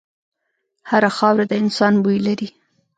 هره خاوره د انسان بوی لري.